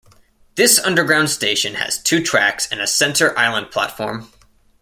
This underground station has two tracks and a center island platform.